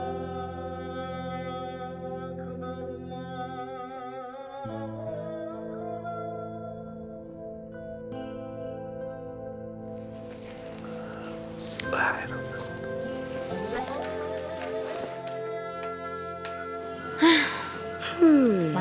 mufni tidak ada salah tapi pani